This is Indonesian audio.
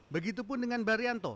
begitupun dengan baryanto